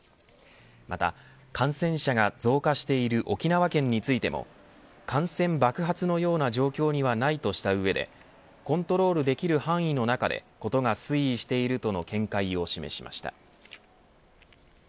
また感染者が増加している沖縄県についても感染爆発のような状況にはないとした上でコントロールできる範囲の中でことが推移しているとの見解を示しました。